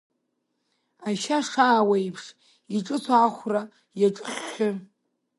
Ашьа шаауеиԥш, иҿыцу ахәра, иаҿыхьхьы.